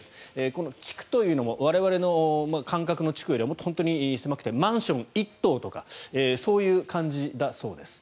この地区というのも我々の感覚の地区よりはもっと狭くてマンション１棟とかそういう感じだそうです。